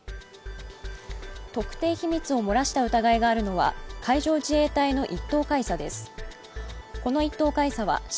特定秘密を漏らした疑いがあるのは海上自衛隊の１等海佐です。